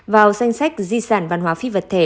vào danh sách di sản văn hóa phi vật thể